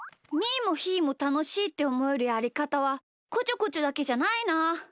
ーもひーもたのしいっておもえるやりかたはこちょこちょだけじゃないな。